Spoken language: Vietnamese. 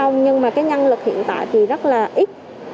nhưng mà cái nhân lực hiện tại thì rất là ít